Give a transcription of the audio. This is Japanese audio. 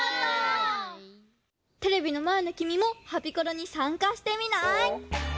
テレビのまえのきみも「ハピコロ」にさんかしてみない？